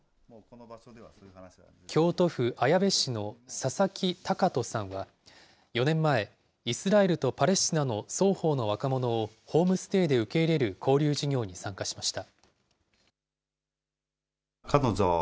京都府綾部市の佐々木崇人さんは４年前、イスラエルとパレスチナの双方の若者を、ホームステイで受け入れる交流事業に参加しました。